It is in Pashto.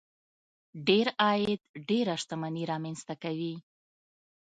ډېر عاید ډېره شتمني رامنځته کوي.